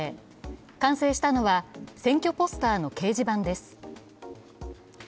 完成したのは選挙ポスターの掲示板です。